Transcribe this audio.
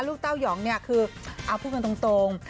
ลูกเต้ายองเนี่ยคือเอาเพิ่มกันตรง